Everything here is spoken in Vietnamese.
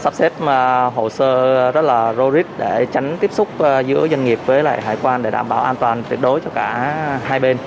sắp xếp hồ sơ rất là rô rít để tránh tiếp xúc giữa doanh nghiệp với hải quan để đảm bảo an toàn tuyệt đối cho cả hai bên